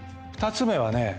２つ目はね